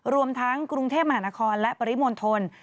รวมทั้งกรุงเทพมหานครและปริมณฑล